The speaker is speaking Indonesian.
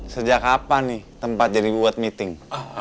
sejak kapan nih tempat jadi buat meeting